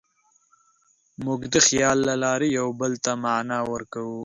موږ د خیال له لارې یوه بل ته معنی ورکوو.